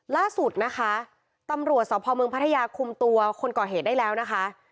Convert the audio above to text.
ล่าสุดนะคะตำรวจสพเมืองพัทยาคุมตัวคนก่อเหตุได้แล้วนะคะ